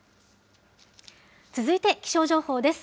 続いて気象情報です。